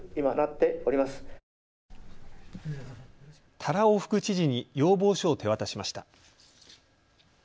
多羅尾副知事に要望書を手渡しました。